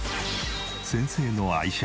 先生の愛車